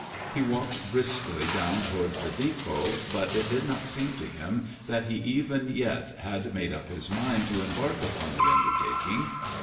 He walked briskly down towards the depot, but it did not seem to him that he even yet had made up his mind to embark upon the undertaking.